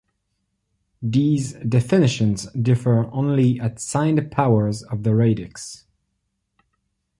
These definitions differ only at signed powers of the radix.